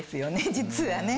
実はね。